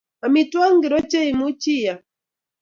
Amitwogik ingircho che imuchi iam